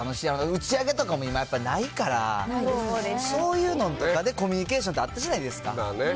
打ち上げとかも今やっぱないから、そういうのとかでコミュニケーションってあったじゃないですか。